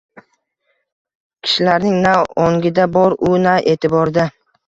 – kishilarning na ongida bor u, na e’tiborida.